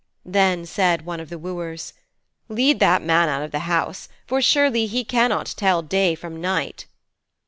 Then said one of the wooers, 'Lead that man out of the house, for surely he cannot tell day from night.'